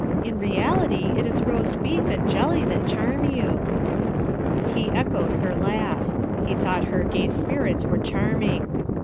In reality it is roast beef and jelly that charm you." He echoed her laugh. He thought her gay spirits were charming.